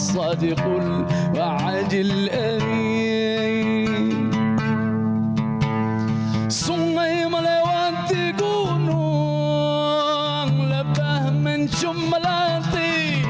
sungai melewati gunung lebah mencumelati